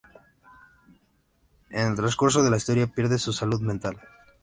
En el transcurso de la historia pierde su salud mental.